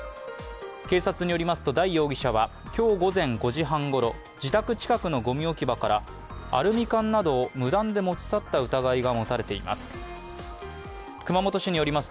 警察によりますと、代容疑者は今日午前５時半ごろ、自宅近くのごみ置き場からアルミ缶などを無断で持ち去った疑いが持たれています。